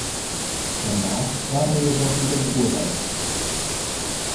Danach war er jedoch wieder beurlaubt.